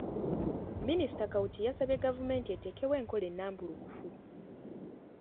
Minisita Kawuki yasabye gavumenti eteekewo enkola ennambulukufu